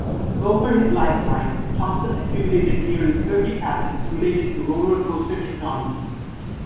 Over his lifetime, Thompson accumulated nearly thirty patents related to roller coaster technologies.